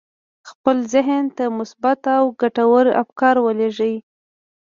خپل ذهن ته مثبت او ګټور افکار ولېږئ